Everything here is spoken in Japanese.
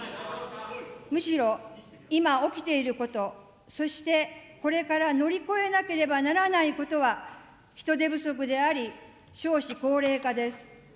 むしろ、今起きていること、そしてこれから乗り越えなければならないことは、人手不足であり、少子高齢化です。